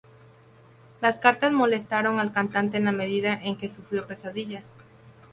Las cartas molestaron al cantante en la medida en que sufrió pesadillas.